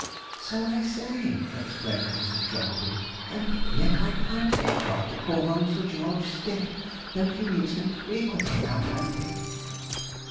'So I say,' exclaimed Mrs. Jogglebury; 'and yet I can't get Jog to call on Sir George Stiff, though he meets him frequently out hunting.'